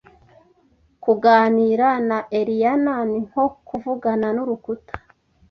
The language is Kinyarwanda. Kuganira na Eliana ni nko kuvugana nurukuta.